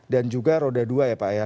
dan juga roda dua ya pak ya